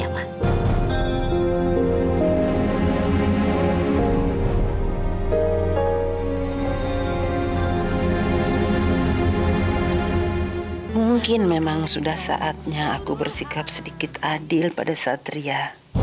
mungkin memang sudah saatnya aku bersikap sedikit adil pada saat ria